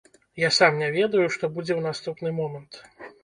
Я сам не ведаю, што будзе ў наступны момант.